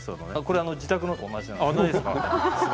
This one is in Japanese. これ自宅のと同じなんです。